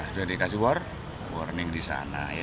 sudah dikasih warning di sana